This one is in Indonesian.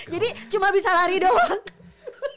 jadi cuma bisa lari doang